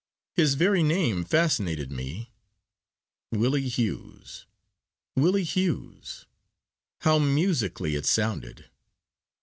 His very name fascinated me. Willie Hughes! Willie Hughes! How musically it sounded!